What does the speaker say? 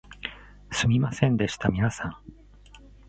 すみませんでした皆さん